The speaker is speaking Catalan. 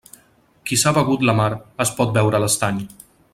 Qui s'ha begut la mar, es pot beure l'estany.